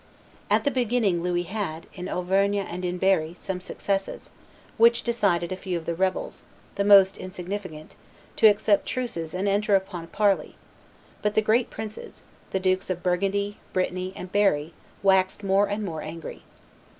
At the beginning Louis had, in Auvergne and in Berry, some successes, which decided a few of the rebels, the most insignificant, to accept truces and enter upon parleys; but the great princes, the Dukes of Burgundy, Brittany, and Berry, waxed more and more angry.